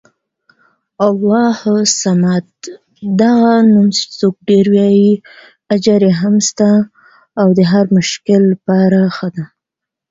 ازادي راډیو د د جګړې راپورونه د پراختیا اړتیاوې تشریح کړي.